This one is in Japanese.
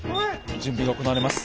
準備が行われます。